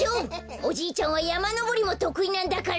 おじいちゃんはやまのぼりもとくいなんだから！